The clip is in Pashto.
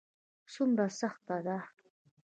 څومره سخته ده ؟